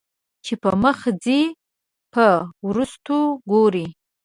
چې پۀ مخ ځې په وروستو ګورې